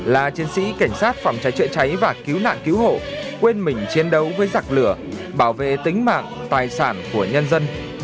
là chiến sĩ cảnh sát phòng cháy chữa cháy và cứu nạn cứu hộ quên mình chiến đấu với giặc lửa bảo vệ tính mạng tài sản của nhân dân